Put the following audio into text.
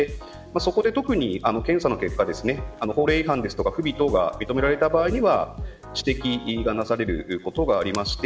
そこで特に検査の結果法令違反とか不備等が認められた場合は指摘がなされることがあります。